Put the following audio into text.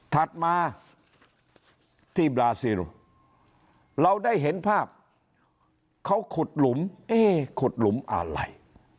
ถัดมาที่บราซิลเราได้เห็นภาพเขาขุดหลุมเอ๊ขุดหลุมอะไร